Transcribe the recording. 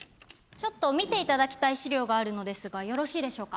ちょっと見て頂きたい資料があるのですがよろしいでしょうか？